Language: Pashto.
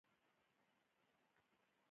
افغانستان د اوړي د پلوه ځانته ځانګړتیا لري.